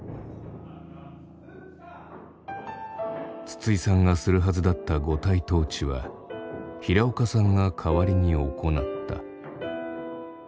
筒井さんがするはずだった五体投地は平岡さんが代わりに行った。